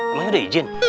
emang udah izin